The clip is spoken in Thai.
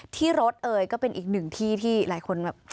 ที่รถเอ่ยก็เป็นอีกหนึ่งที่ที่หลายคนแบบ